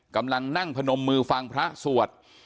กำลังนั่งพนมมือฟังพระสวด